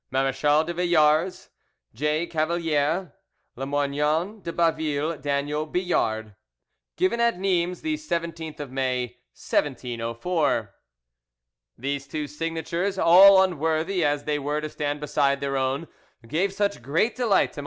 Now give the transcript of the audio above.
"MARECHAL DE VILLARS J. CAVALIER "LAMOIGNON DE BAVILLE DANIEL BILLARD "Given at Nimes, the 17th of May 1704" These two signatures, all unworthy as they were to stand beside their own, gave such great delight to MM.